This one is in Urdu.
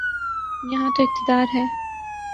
یہاں تو اقتدار ہے۔